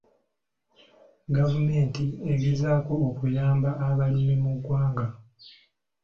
Gavumenti egezaako okuyamba abalimi mu ggwanga.